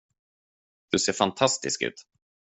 Du ser fantastisk ut.